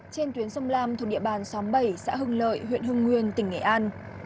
trên tuyến sông lam thuộc địa bàn xóm bảy xã hưng lợi huyện hưng nguyên tỉnh nghệ an